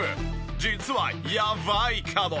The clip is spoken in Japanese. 実はやばいかも！？